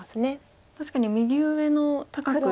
確かに右上の高く。